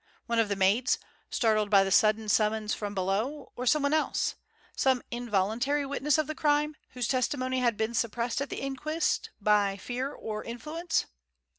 One of the maids, startled by the sudden summons from below, or someone else some involuntary witness of the crime, whose testimony had been suppressed at the inquest, by fear or influence?